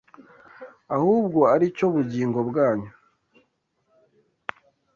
ahubwo ari cyo bugingo bwanyu